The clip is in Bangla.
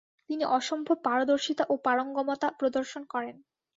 তিনি অসম্ভব পারদর্শিতা ও পারঙ্গমতা প্রদর্শন করেন।